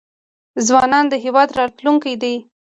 ځوانان د هیواد راتلونکی دی